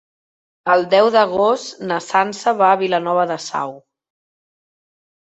El deu d'agost na Sança va a Vilanova de Sau.